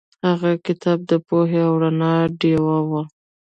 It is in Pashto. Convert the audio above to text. هغه کتاب د پوهې او رڼا ډیوه وه.